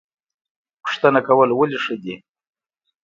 پوښتنه کول ولې ښه دي؟